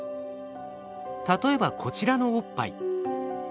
例えばこちらのおっぱい。